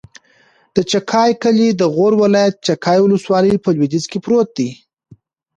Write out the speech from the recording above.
د چاګای کلی د غور ولایت، چاګای ولسوالي په لویدیځ کې پروت دی.